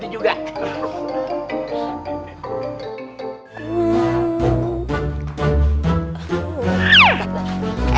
dicipatu beli mentega